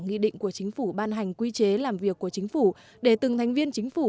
nghị định của chính phủ ban hành quy chế làm việc của chính phủ để từng thành viên chính phủ